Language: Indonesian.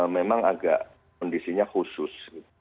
memang agak kondisinya khusus